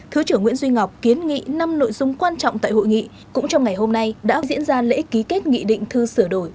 thứ trưởng nguyễn duy ngọc kiến nghị năm nội dung quan trọng tại hội nghị cũng trong ngày hôm nay đã diễn ra lễ ký kết nghị định thư sửa đổi